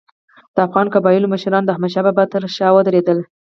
د افغان قبایلو مشران د احمدشاه بابا تر شا ودرېدل.